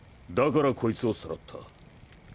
だからこいつを攫った。